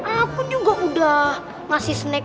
aku juga udah masih snack